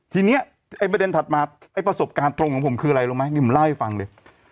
ทีนี้ไอ้ประเด็นถัดมาไอ้ประสบการณ์ตรงของผมคืออะไรรู้ไหมนี่ผมเล่าให้ฟังเลย